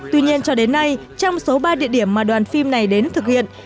tuy nhiên cho đến nay trong số ba địa điểm mà đoàn phim này đến thực hiện